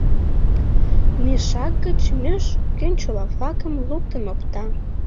Мешак гыч меж кӱнчыла-влакым луктын опта.